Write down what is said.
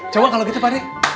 coba kalau gitu pak de